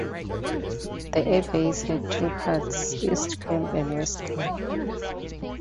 The airbase had two parts, East Camp and West Camp.